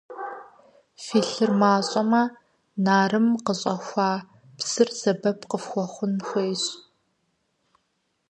Фи лъыр мащӀэмэ, нарым къыщӏахуа псыр сэбэп къыфхуэхъун хуейщ.